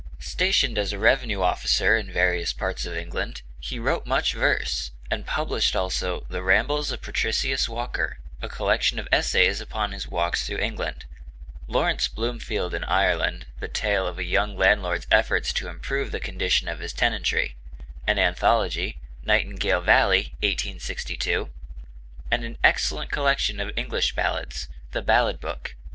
Stationed as revenue officer in various parts of England, he wrote much verse, and published also the 'The Rambles of Patricius Walker,' a collection of essays upon his walks through England; 'Lawrence Bloomfield in Ireland,' the tale of a young landlord's efforts to improve the condition of his tenantry; an anthology, 'Nightingale Valley' (1862), and an excellent collection of English ballads, 'The Ballad Book' (1865).